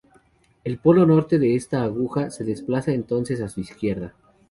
El polo norte de esta aguja se desplaza entonces a su izquierda.